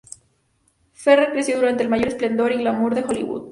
Ferrer creció durante el mayor esplendor y glamour de Hollywood.